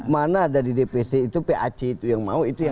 mana ada di dpc itu pac itu yang mau